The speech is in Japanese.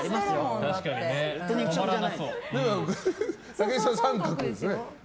武井さんは三角ですね。